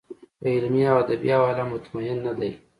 په علمي او ادبي حواله مطمین نه دی.